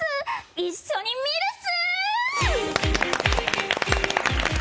一緒に見るっす！